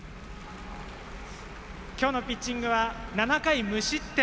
今日のピッチングは７回無失点。